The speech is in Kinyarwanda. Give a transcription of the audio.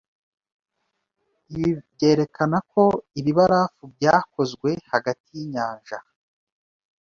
Ibi byerekana ko ibibarafu byakozwe hagati yinyanja